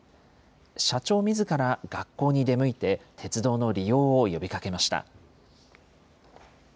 社長みずから学校に出向いて、鉄道の利用を呼びかけました。